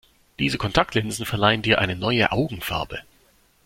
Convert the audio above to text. Diese Kontaktlinsen verleihen dir eine neue Augenfarbe.